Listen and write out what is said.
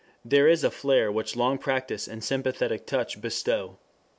"There is a flair which long practise and 'sympathetic touch' bestow.